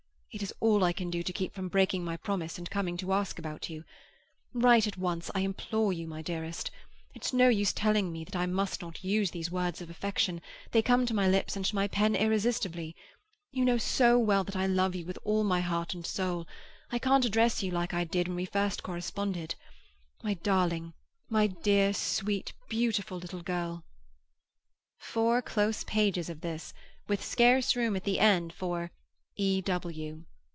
It is all I can do to keep from breaking my promise and coming to ask about you. Write at once, I implore you, my dearest. It's no use telling me that I must not use these words of affection; they come to my lips and to my pen irresistibly. You know so well that I love you with all my heart and soul; I can't address you like I did when we first corresponded. My darling! My dear, sweet, beautiful little girl—" Four close pages of this, with scarce room at the end for "E.W."